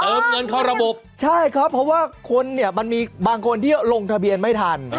เงินเข้าระบบใช่ครับเพราะว่าคนเนี่ยมันมีบางคนที่ลงทะเบียนไม่ทัน